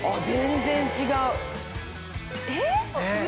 全然違う。